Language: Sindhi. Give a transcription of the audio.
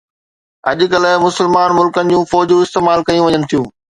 اڄڪلهه مسلمان ملڪن جون فوجون استعمال ڪيون وڃن ٿيون